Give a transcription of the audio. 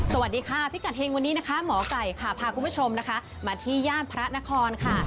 สวัสดีค่ะพิกัดเฮงวันนี้นะคะหมอไก่ค่ะพาคุณผู้ชมนะคะมาที่ย่านพระนครค่ะ